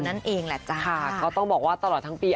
นั่นเองแหละจ้ะค่ะก็ต้องบอกว่าตลอดทั้งปี